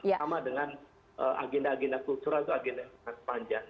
sama dengan agenda agenda kultural itu agenda yang sangat panjang